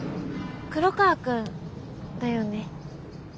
黒川くんだよね？